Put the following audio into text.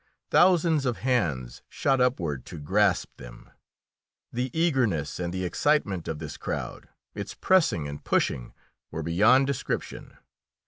Thousands of hands shot upward to grasp them. The eagerness and the excitement of this crowd, its pressing and pushing, were beyond description.